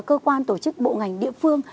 cơ quan tổ chức bộ ngành địa phương